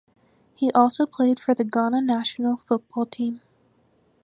He also played for the Ghana national football team.